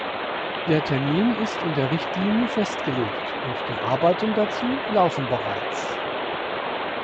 Der Termin ist in der Richtlinie festgelegt und die Arbeiten dazu laufen bereits.